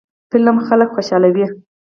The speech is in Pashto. فلم خلک خوشحالوي